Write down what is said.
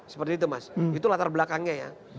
seperti itu mas itu latar belakangnya ya